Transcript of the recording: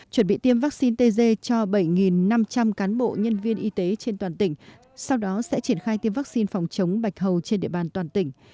chuẩn bị tiêm vaccine tz cho bảy năm trăm linh cán bộ nhân viên y tế trên toàn tỉnh sau đó sẽ triển khai tiêm vaccine phòng chống bạch hầu trên địa bàn toàn tỉnh